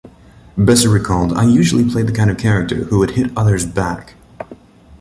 Besser recalled, "I usually played the kind of character who would hit others back".